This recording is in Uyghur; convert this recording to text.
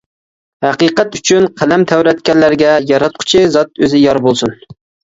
ھەقىقەت ئۈچۈن قەلەم تەۋرەتكەنلەرگە ياراتقۇچى زات ئۆزى يار بولسۇن!